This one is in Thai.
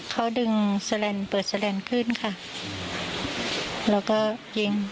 เขาดึงแสลนดเปิดแลนด์ขึ้นค่ะแล้วก็ยิง